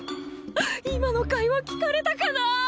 今の会話聞かれたかなあ？